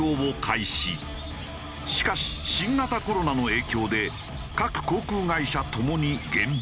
しかし新型コロナの影響で各航空会社ともに減便。